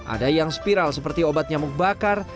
ada yang spiral seperti obat nyamuk bakar